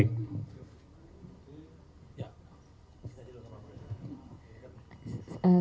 ya kita juga sama